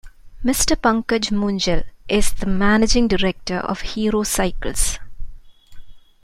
Mr Pankaj Munjal is the Managing Director of Hero Cycles.